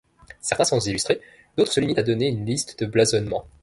Certains sont illustrés, d'autres se limitent à donner une liste de blasonnements.